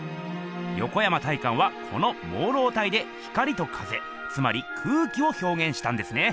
横山大観はこの朦朧体で光と風つまり空気をひょうげんしたんですね。